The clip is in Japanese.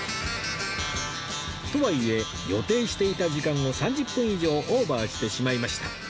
とはいえ予定していた時間を３０分以上オーバーしてしまいました